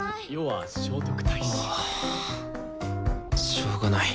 しょうがない